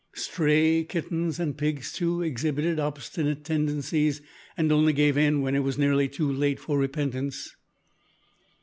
Stray kittens and pigs, too, exhibited obstinate tendencies, and only gave in when it was nearly too late for repentance.